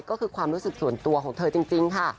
ก็คือความรู้สึกส่วนตัวของเธอจริงค่ะ